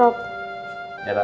sampai jumpa lagi